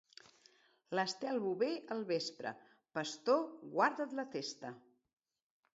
L'Estel Bover al vespre, pastor, guarda't la testa.